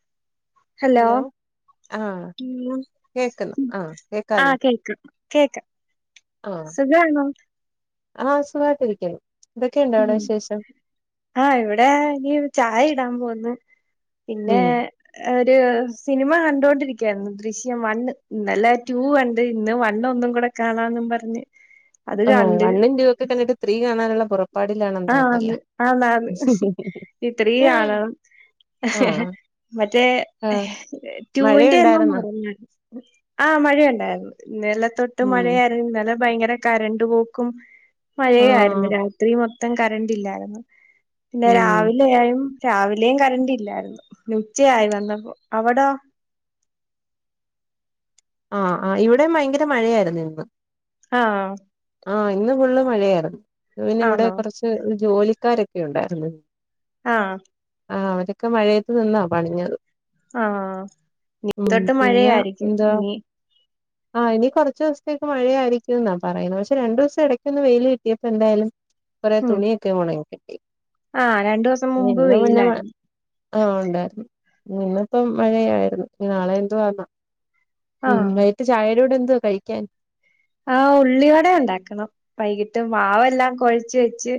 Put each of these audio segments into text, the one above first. [inaudible] Hello. ആഹ് കേക്കുന്നു ആഹ് ആ കേക്കാലോ കേക്ക. കേക്ക. ആഹ് ആ സുഖമായിട്ടിരികണ്. എന്തൊക്കെ ഉണ്ടവിടെ ഉം വിശേഷം? ആഹ് ഇവിടെ ഇനി ചായ ഇടാൻ പോവുന്നു. പിന്നെ, ഉം ഏഹ് ഒരു സിനിമ കണ്ടോണ്ടിരിക്കായിരുന്നു ദൃശ്യം വണ്ണ്. ഇന്നലെ ടു ക ണ്ട്‌. ഇന്ന് വണ്ണ് ഒന്നും കൂടെ കാണാന്നു പറഞ്ഞ്. അത് ആ കണ്ട് വണ്ണും ടു ഒക്കെ കഴിഞ്ഞിട്ട് ത്രീ കാണാനുള്ള പുറ ആന്ന് ആന്നാന്നു. ഇനി ത്രി കാണാ. ആഹ് മറ്റേ ആഹ് ടൂന്റെ എല്ലാം മഴയുണ്ടായിരുന്നോ മറന്നു ഞാൻ. ആ മഴയുണ്ടായിരുന്നു. ഇന്നലെ തൊട്ട് ഉം മഴയാ ഇന്നലെ ഭയങ്കര കറണ്ട് പോക്കും മഴയായിരുന്നു. ആഹ് രാത്രി മൊത്തം കറണ്ട്ല്ലായിരുന്നു. പിന്നെ ഉം രാവിലെ ആയും, രാവിലേം കറന്റ് ഇല്ലായിരുന്നു, ഉച്ചയായി വന്നപ്പോ. അവിടോ? ആഹ് ആ ഇവിടെയും ഭയങ്കര മഴയായിരുന്നു ഇന്ന്. ആഹ്. ആഹ് ഇന്ന് ഫുള്ള് മഴയായിരുന്നു. പിന്നെ ഇവിടെ ആന്നോ കുറച്ച് ജോലിക്കാരൊക്കെ ഉണ്ടായിരുന്നു. ആഹ്. ആ അവരൊക്കെ മഴയത്ത് നിന്നാ പണിഞ്ഞത്. ആഹ് ഉം തൊട്ട് പിന്ന മഴയായിരിക്കും എന്താ? ഇനി ആ ഇനി കുറച്ച് ദിവസത്തേക്ക് മഴയായിരിക്കും ന്നാ പറയുന്നേ. പ രണ്ടു ദിവസം ഇടയ്ക്കൊന്ന് വെയിൽ കിട്ടിയപ്പോ എന്തായാലും കുറേ ഉം തുണിയൊക്ക ഒണങ്ങി കി ആഹ് രണ്ടു ദിവസം മുമ്പ് വെയിലായിരുന്നു. ആ ഉണ്ടായിരുന്നു. ഇന്നിപ്പം മഴയായിരുന്നു. നാളെ എന്തൊ [unintelligible] ഉം ആഹ് നൈറ്റ്‌ ചായെ യുടെ എന്തവാ കഴിക്കാൻ? ആ ഉള്ളിവടെ ഉണ്ടാക്കണം. വൈകിട്ട് മാവെല്ലാം കൊഴച്ച് വെച്ച്.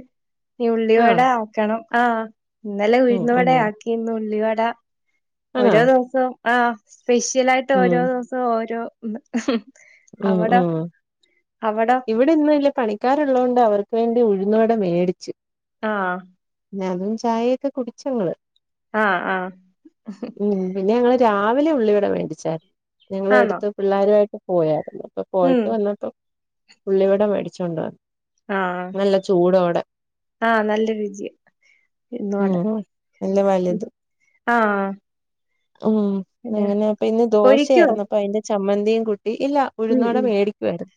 ഉള്ളിവട ആഹ് ആക്കണം. ആഹ് ഇന്നലെ ഉം ഉഴുന്ന വട ഉം ആക്കി. ഇന്ന് ഉള്ളിവട. ആണോ ഓരോ ദിവസം ആ സ്പെഷ്യൽ ആയിട്ട് ഓരോ ഉം ദിവസവും ഓരോന്ന്. ഉം അവിടോ ഉം അവിടോ ഇവ വിടെ ഇന്നല്ല പണിക്കാരുള്ളത്ണ്ട് അവർക്ക് വേണ്ടി ഉഴുന്നുവടമേടിച്ചു. ആഹ് [unintelligible] അതും ചായയൊക്കെ കുടിച്ചങ്ങള് ആ ആഹ് ഉം പിന്നെ ഞങ്ങള് രാവിലെ ഉള്ളിവിട മേണ്ടിച്ചായിരുന്നു ആന്നോ ഞങ്ങളടുത്ത പിള്ളേരുമായിട്ട് പോയായിരുന്നു. ഉം പോയിട്ട് വന്നപ്പം ഉള്ളിവടെ മേടിച്ചൊണ്ട ആഹ് നല്ല ചൂടോടെ ആ നല്ല രുചി ഇയുന്നുവട ഉം നല്ല വലുത് ആ ഉം അങ്ങനെ പ്പ ഇന്ന് പൊരിക്കുവോ ദോശയായിരുന്നു അപ്പൊ അതിന്റെ ചമ്മന്തിയും കുട്ടി ഇല്ല ഉം ഉഴുന്നോടെ ഉം മേടിക്കുയിരുന്നു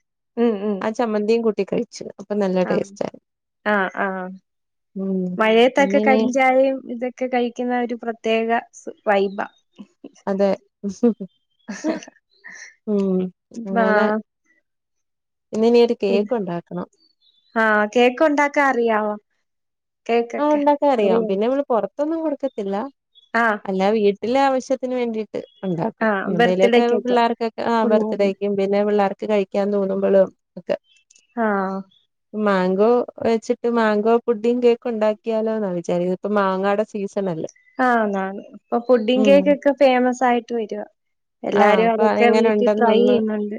ഉം ഉം ആ ചമ്മന്തിയും കൂട്ടി കഴി ചിലപ്പൊ നല്ല ആഹ് ടേസ്റ്റ് ആ ആഹ് ആഹ് മഴയത്തൊക്കെ കടിഞ്ചായയും ഇതൊ ഒക്കെ കഴിക്കുന്ന ഒരു പ്രത്യേക വൈബ അതെ മ് അങ്ങനെ ആഹ് ഇന്ന് ഇനിയൊരു കേക്ക് ഉണ്ടാക്കണം. ആ കേക്ക് ണ്ടാക്കാ അറിയാവോ? ആ കേക്കൊക്കെ ഉണ്ടാക്കാ അറിയാം അറിയോ പിന്നെ നമ്മള് പുറത്തൊന്നും കൊടുക്കത്തില്ല. ആഹ് വീട്ടിലെ ആവശ്യത്തിന് വേണ്ടിട്ട് ഉണ്ടാക്കും ആഹ് എന്തേലുമൊക്കെ ബർത്ത്ഡേക്കൊക്കെ പിള്ളേർക്കൊക്കെ ആ പിള്ളേർന് ബർത്ത്ഡേക്കും പിന്നെ പിള്ളേർക്ക് കഴിക്കാൻ തോന്നുമ്പോഴും ഒക്കെ ആഹ് മാങ്കോ വെച്ചിട്ട് മാങ്കോ പുഡി കേ ക്ക് ഉണ്ടാക്കിയാലോ ന്നാ വിചാ ഇപ്പ മാങ്ങായുടെ സീസൺ അല്ലേ? ആതാണ് ഇപ്പൊ പുഡി കേക്ക് ഒക്കെ ഫേമസ് ആയിട്ട് വര ആഹ് എല്ലാരും അപ്പൊ അതൊക്കെ എങ്ങനെ വീട്ടിൽ ട്രൈ ഉണ്ടെന്നൊന്ന് ചെയ്യുന്നുണ്ട്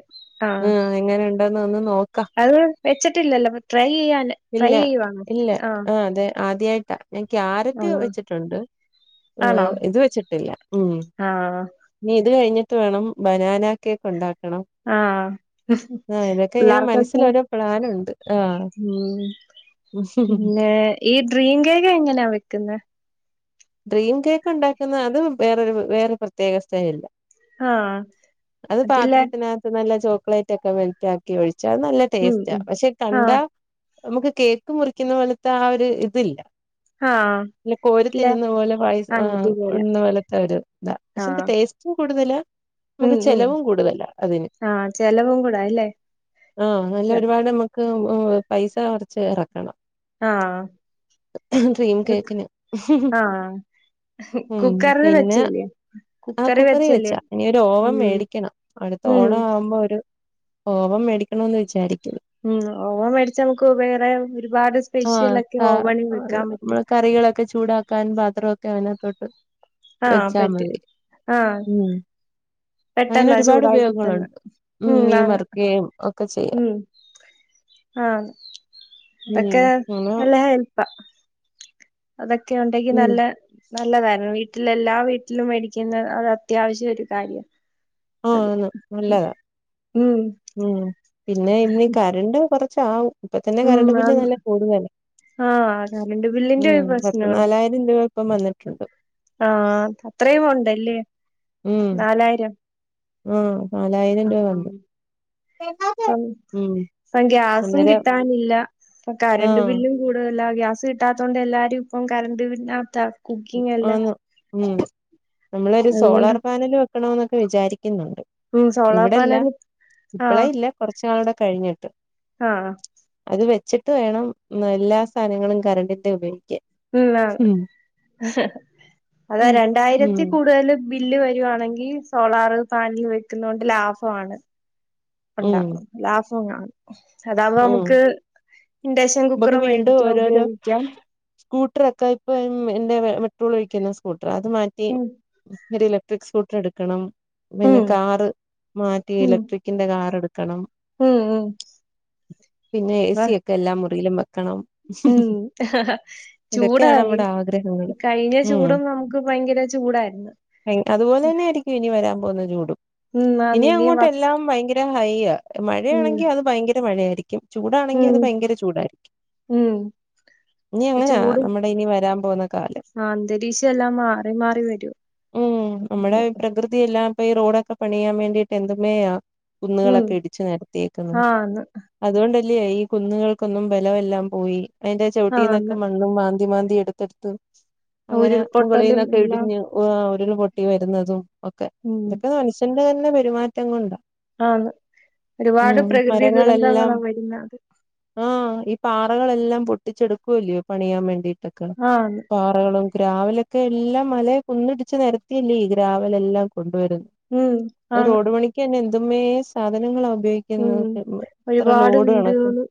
ആ ആഹ് എങ്ങനെ ഉണ്ടെന്ന് ഒന്ന് നോക്കാം അത് വെച്ചിട്ടില്ലല്ലോ ട്രൈ ചെയ്യാന് ട്രൈ ചെയ്യുവാണ് ആ ആ അതെ ആദ്യായിട്ടാ ഞാൻ ക്യാരറ്റ് ആഹ് വെച്ചിട്ടുണ്ട് ആ ആണോ ഇത് വെച്ചിട്ടില്ല ഉം ആഹ് നീ ഇത് കഴിഞ്ഞിട്ട് വേണം ബനാന കേക്ക് ഉണ്ടാക്കണം ആഹ ആഹ് ഇതൊക്കെ ഇങ്ങനെ മനസ്സിൽ പിള്ളാർക്കൊക്കെ ഓരോ പ്ലാനുണ്ട് ആഹ് ഉം പിന്നെ ഈ ഡ്രീം കേക്ക് എങ്ങനെയാ വെക്കുന്നത് ഡ്രീം കേക്ക് ഉണ്ടാക്കുന്ന അത് വേറൊരു വേറെ പ്രത്യേക സ്റ്റയിലില ആഹ് അത് അതില്ലേ പാത്രത്തിനകത്ത് നല്ല ചോക്ലേറ്റ് ഒക്കെ വെളതാക്കി ഒഴിച്ചു അത് നല്ല ഉം ടേസ്റ്റാ ഉം പക്ഷെ ആഹ് കണ്ടാ നമുക്ക് കേക്ക് മുറിക്കുന്ന പോലത്തെ ആ ഒരു ഇതില്ല ആഹ അല്ല കോരി തിന്നുന്ന പോലെ പായ ഇുന്ന പോലത്തെ ഒരു ഇതാ പക്ഷെ എ ആഹ് ടേസ്റ്റും കൂടുതലാ ഉം നമുക്ക് ഉം ചെലവും കൂടുതല്ല അതിന് ആഹ് ചെലവും കൂടാ അല്ലേ ആഹ നല്ല ഒരുപാട് നമക്ക് പൈസ കുറച്ച് ഇറക്കണം ആഹ് ഡ്രീം കേക്കിന് ആഹ ഉം പിന്നെ ആ കുക്കറിൽ കുക്കറി വെച്ചല്ലേ വെച്ചാ ഇനി ഒരു ഓവൺ ഉം മേടിക്കണം അടുത്ത ഉം ഓണം ആവുമ്പോ ഒരു ഓവൺ മേടിക്കണന്ന് വിചാരിക്കൂ ഉം ഓവൺ മേടിച്ച നമുക്ക് വേറെ ഒരുപാട് സ്പെഷ്യലൊക്കെ ഓവനിൽ വെക്കാൻ പറ്റും [unintelligible] കറികളൊക്കെ ചൂടാക്കാൻ പാത്രമൊക്കെ അനകത്തോട്ട് ആഹ് വച്ചാൽ പറ്റും മതി ആഹ് ഉം അങ്ങനെ പെട്ടെന്നാ ഒരുപാട് ചൂടായി കിട്ടുന്നെ ഉപയോഗങ്ങളുണ്ട് ഉ ഉം മീ ആണ് വറക്കുകയും ഒക്കെ ചെയ്യ ആഹ അതക്കെ അങ്ങനെ എല്ല എൽപ്പ അതൊക്കെ ഉണ്ടെങ്കി ഉം നല്ല നല്ലതായിരുന്നു വീട്ടിൽ എല്ലാ വീട്ടിലും മേടിക്കുന്നത് അത് അത്യാവശ്യം ഒരു കാര്യം ആഹ നല്ലതാ ഉം ഉം പിന്നെ ഇനി കരണ്ട് കൊറച്ച് പ ഇപ്പ തന്നെ ഉം കറണ്ട് ബില്ല് ആന്ന് നല്ല കൂടല്ലേ ആഹ് കറണ്ട് ബില്ലിന്റെ ഒരു പത്തു പ്രശ്നമുണ്ട് നാലായിരം ുകൾൊപ്പം വന്നട്ടണ്ട് ആഹ് അത്രയും ഉണ്ടല്ലേ ഉം നാലായിരം ആഹ് നാലായിരം രൂപ വന്നു ആഹ് ഉം ആഹ് ഗ്യാസും അന്നേരം കിട്ടാനില്ല കറണ്ട് ആഹ് ബില്ലും കൂടുതല ഗ്യാസ് കിട്ടാത്ത കൊണ്ട് എല്ലാരും ഇപ്പം കറണ്ട് പിന്നത്ത കുക്കിങ് എല്ലാം ആന്ന് ഉം നമ്മളൊരു അതുകൊണ്ട് സോളാർ പാനല് വെക്കണന്നൊക്കെ വിചാരിക്കുന്നുണ്ട് ഉം സോളാർ ഇവിടെല്ല പാനൽ ഇപ്പളേ ആഹ് ഇല്ല കുറച്ചു നാളോടെ കഴിഞ്ഞിട്ട് ആഹ് അത് വെച്ചിട്ട് വേണം എല്ലാ സാധനങ്ങളും കറണ്ടിന്റെ ഉപയോഗിക്കൻ ഉം അതാ ഉം ഉം രണ്ടായിരത്തി കൂടുതൽ ബില്ല് വരുവാണെങ്കിൽ സോളാർ പാനൽ വെക്കുന്നൊണ്ട് ലാഭമാണ് ഉം ഉണ്ടാവും ലാഭം കാണും അതാവ ഉം നമുക്ക് ഇണ്ടക്ഷൻ കുക്കറ മേടിക്കാം ഉപയോഗിക്കാം സ്കൂട്ടർ ഒക്കെ ഇപ്പൊ എന്റെ മെട്രോള ഒഴിക്കുന്ന സ്കൂട്ടർ അത് മാറ്റി ഉം ഒരു ഇലക്ട്രിക് സ്കൂട്ടർ എടുക്കണം ഉം പിന്നെ കാർ മാറ്റി ഉം ഇലക്ട്രിക് ിന്റെ കാറെ എടുക്കണം [unintelligible] പിന്നെ എ വ സിയക്കെ എല്ലാ മുറിയിലും വെക്കണം ഉം ഇതൊക്കെയാണ് ചൂടായി നമ്മുടെ ആഗ്രഹങ്ങൾ ഈ കഴിഞ്ഞ ഉം ചൂടും നമുക്ക് ഭയങ്കര ചൂടായിരുന്നു അതുപോലെ തന്നെ ആയിരിക്കും ഇനി വരാൻ പോകുന്ന ചൂടും ഉം ആന്ന് ഇനി വ അങ്ങോട്ട എല്ലാം ഭയങ്കര ഹൈ ഉം മഴയാണെങ്കിൽ അത് ഭയങ്കര മഴയായിരിക്കും ചൂടാണെങ്കിൽ ഉം അത് ഭയങ്കര ചൂടായിരിക്കും ഉം ഇനി അങ്ങനാ ചൂടും നമ്മുടെ ഇനി വരാൻ പോവുന്ന കാലം അന്തരീക്ഷം എല്ലാം മാറി മാറി വരും ഉം നമ്മുടെ പ്രകൃതി ല്ലാം ഈ റോഡൊക്കെ പണിയാൻ വേണ്ടിട്ട് എന്തുമേയ ഉം കുന്നുകളൊക്കെ ഇടിച്ച് നടത്തിേക്കുന്നത് ആന്ന് അതുകൊണ്ടല്ലേ ഈ കുന്നുകൾക്കൊന്നും ബലമെല്ലാം പോയി അതിന്റെ ചോട്ടീന്നൊക്കെ ആന്ന്. മണ്ണും മാന്തി മാന്തി എടുത്തെടുത്ത് അങ്ങനെ ഉരുൾപൊട്ടലും മുകളിൽന്നൊക്കെ എല്ലാം ഇടിഞ്ഞു ഉരുള് പൊട്ടി വരുന്നതും ഒക്കെ ഉം. ഇതൊക്കെ മനുഷ്യന്റെ തന്നെ പെരുമാറ്റം കൊണ്ടാ ആന്ന് ഒരുപാട് ഉം പ്രകൃതി മരങ്ങളെല്ലാം ദുരന്തങ്ങളാ വരുന്നത്. ആഹ് ഈ പാറകളെല്ലാം പൊട്ടിച്ചെടുക്കൂകയല്ലയോ പണിയാൻ വേണ്ടിട്ടൊക്കെ ആന്ന്. കറകളും ഗ്രാവിലൊക്കെ എല്ലാം മലെ കുന്നിടിച്ച് നിരത്തിയല്ലേ ഈ ഗ്രാവലെല്ലാം കൊണ്ടുവരന്ന് ഉം. ആണ്. റോഡ് പണിക്ക്ന്നെ എന്ത്മേ സാധനങ്ങള ഉപയോഗിക്ക ഉം ഒരുപാട് വീടുകള്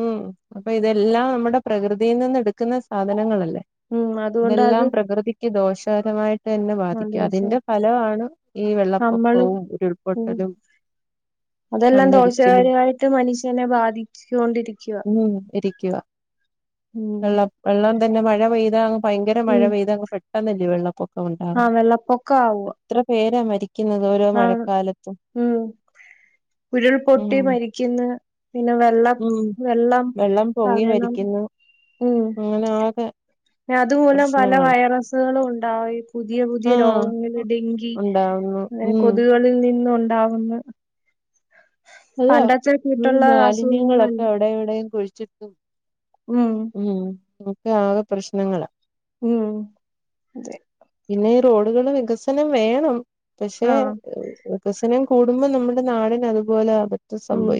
ഉം അപ്പൊ ഇതെല്ലാം നമ്മുടെ പ്രകൃതിയിൽ നിന്ന് എടുക്കുന്ന സാധനങ്ങളല്ലേ ഉം. അതുകൊണ്ട് ഇതെല്ലാം അത് പ്രകൃതിക്ക് ദോഷകരമായിട്ട് തന്നെ ആ ബാധിക്ക ദോഷ അതിന്റെ ഫലമാണ് ഈ നമ്മളും വെള്ളപ്പൊക്കവും ഉം. ഉരുൾപൊട്ടലും അതെല്ലാം മണ്ണിടിച്ചിലും ദോഷകരമായിട്ട് മനുഷ്യനെ ബാധിച്ചുണ്ടിരിക്കുക ഉം ഇരിക്കുക ഉം. വെള്ളം വെള്ളം തന്നെ മഴ പെയ്താ അങ്ങ് ഭയങ്കര മഴ പെയ്താ അങ്ങ് പെട്ടെന്നല്ലേ വെള്ളപ്പൊക്ക ആഹ് വെള്ളപ്പൊക്കാവ എത്ര പേരാ മരിക്കുന്നത് ഓരോ മഴക്കാലത്തും ഉം ഉരുൾപൊട്ടി ഉം മരിക്കുന്നു പിന്നെ വെള്ളം ഉം വെള്ളം പൊങ്ങി കാരണം മരിക്കുന്നു ഉം അങ്ങനെ ആകെ അതുമൂലം പല പ്രശ്നങ്ങൾ വൈറസുകളും ഉണ്ടായി പുതിയ പുതിയ ആഹ് രോഗങ്ങൾ ഡെങ്കി ഉണ്ടാവുന്നു അങ്ങനെ ഉം കൊതുകളിൽ നിന്ന് ഉണ്ടാവുന്ന് അതോ ഇ കൂട്ടുള്ള മാലിന്യങ്ങളൊക്കെ അസുഖങ്ങളല്ല അവിടെ ഇവിടെയും കുഴിച്ചിട്ടും ഉം ഉം ഒക്കെ ആകെ പ്രശ്നങ്ങളാ ഉം അതെ പിന്നെ ഈ റോഡുകള് വികസനം വേണം പക്ഷെ ആഹ് വികസനം കൂടുമ്പോൾ നമ്മുടെ നാടിന് അതുപോലെ അവ്ൻത് ഉം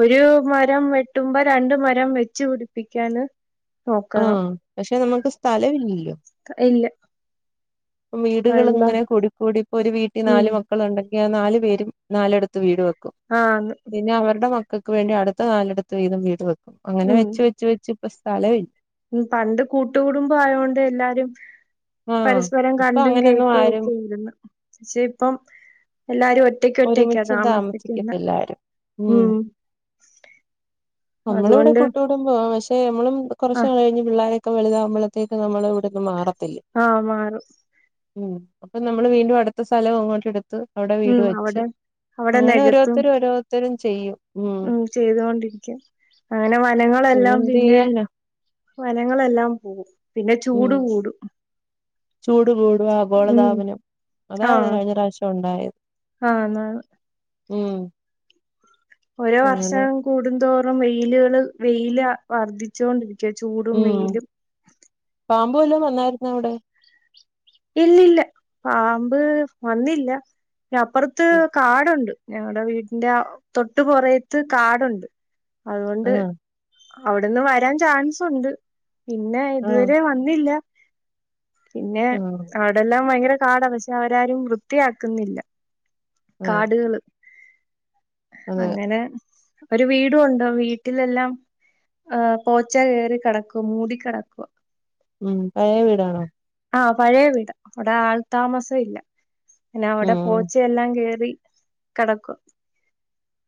ഒരു മരം വെട്ടുമ്പോ രണ്ട് മരം വെച്ച് പിടിപ്പിക്കാന് നോക്കണം ആഹ് പക്ഷെ നമുക്ക് സ്ഥലമില്ലല്ലോ ഇല്ല വീടുകൾ എല്ലാം ഇങ്ങനെ കൂടിക്കൂടി ഇപ്പൊ ഒരു വീട്ടിൽ ഉം നാല് മക്കൾ മക്കള് ഉണ്ടെങ്കിൽ ആ നാലു പേരും നാലടുത്ത് വീട് വെക്കും ആന്ന് പിന്നെ അവരുടെ മക്കൾ ക്ക് വേണ്ടി അടുത്ത് നാലടുത്ത് വീതംവീട് വെക്കും അങ്ങനെ ഉം വെച്ച് വെച്ച് വെച്ച് ഇപ്പം സ്ഥലം ഇല്ല ഉം പണ്ട് കൂട്ടുകടുംബ ആയൊണ്ട് എല്ലാരും ആഹ് പരസ്പരം ഇപ്പൊ കണ്ടും അങ്ങനെയൊന്നും കേട്ടും ആരും ഒക്കെയിരുന്നു പക്ഷെ ഇപ്പം എല്ലാരും ഒ റ്റക്ക് ഒറ്റക്ക് ഒരുമിച്ച് താമസിക്കുന്നെ താമസിക്കത്തില്ല ആരും ഉം നമ്മള് ഇവിടെ അതുകൊണ്ട് കൂട്ടു കുടുമ്പോ പക്ഷെ നമ്മളും കുറച് ആ നാൾ കഴിഞ്ഞ് പിള്ളാരക്കെ വലുതാവുമ്പോഴത്തേക്ക് നമ്മള് ഇവിടന്ന് മാറത്തിലെ ആഹ് മാറും ഉം അപ്പൊ നമ്മള് വീണ്ടും അടുത്ത സ്ഥലം അങ്ങോട്ട് എടുത്ത് അവിടെ വീട് ഉം വെ ച്ച് അവിടെ അവിടെ അങ്ങനെ നികത്തും ഓരോരുത്തരും ഓരോരുത്തരും ചെയ്യും ഉം ചെയ്തുകൊണ്ടിരിക്കും അങ്ങനെ വനങ്ങളെല്ലാം പിന്നെന്ത് പിന്നെ ചെയ്യാനാ വനങ്ങളെല്ലാം പോകും പിന്നെ ഉം ചൂട് കൂടും ചൂട് കൂടും ഉം ആഗോളതാപനം അതാണ് ആഹ് കഴിഞ്ഞ പ്രാവശ്യം ഉണ്ടായെ ആന്ന് ഉം ഓരോ അങ്ങനെ വർഷം കൂടുന്തോറും വെയിലുകള് വെയില് വർധിച്ചോണ്ടിരിക്കും ചൂടും ഉം വെയിലും പാമ്പ് വല്ലോം വന്നായിരുന്നവിടെ ഇല്ലല്ല പാമ്പ് വന്നില്ല അപ്പുറത്ത് ഉം കാടുണ്ട് ഞങ്ങളടെ വീട്ടിന്റെ ആ തൊട്ട് പൊറയത്ത് കാടുണ്ട് അതുകൊണ്ട് ആഹ് അവിടെന്ന് വരാൻ ചാൻസുണ്ട് പിന്നെ ആഹ് ഇതുവരെ വന്നില്ല പിന്നെ ആഹ് അവിടെല്ലാം ഭയങ്കര കാടാ പക്ഷെ അവരാരും വൃത്തിയാക്കുന്നില്ല ആഹ് കാടുകള് അതെ അങ്ങനെ ഒരു വീടുണ്ട് വീട്ടിലെല്ലാം ഹ പോച്ച കെറി കിടക്കും മൂടി കെടക്ക ഉം പഴയ വീടാണോ ആഹ് പഴേ വീടാ അവിടെ ആൾ താമസം ഇല്ല പിന്നെ അവിടെ ഉം പോച്ചെല്ലാം കേറി കെടക്ക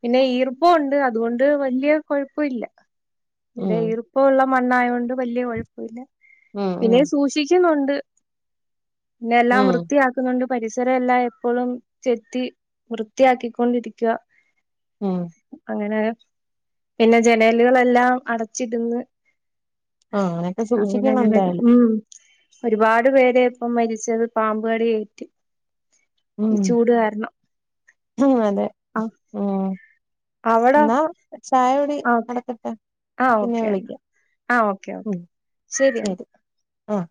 പിന്നെ ഈർപ്പം ഉണ്ട് അതുകൊണ്ട് വലിയ കുഴപ്പല്ല ഇടെ ഉം ഈർപ്പ പ്പൊള്ള മണ്ണായൊണ്ട് വലിയ കുഴപ്പൊല്ല ഉം പിന്നെ ഉം സൂക്ഷിക്കുന്നുണ്ട് പിന്നെല്ലാം ഉം വൃത്തിയാ ന്നുണ്ട് പരിസരല്ലാം എപ്പോഴും ചെത്തി വൃത്തിയാക്കിക്കൊണ്ടിരിക്ക ഉം അങ്ങനെ പിന്നെ ജനലുകളെല്ലാം അടച്ചിരടുന്ന് ആഹ് അങ്ങനൊക്കെ അങ്ങനെ സൂക്ഷിക്കണം അങ്ങനക്കെ എന്തായാലും ഉം ഒരുപാട് പേരെ ഇപ്പം മരിച്ചത് പാമ്പു കടിയേറ്റ് ഉം ഈ ചൂട് ഉം അതെ അ ന്നാ ചായകുടി ആ നടക്കട്ടെ പിന്നെ വിളിക്കാം ആഹ് ഓക്കെ ഓക്കെ ഉം ശരിന്നാ ശരി ആഹ്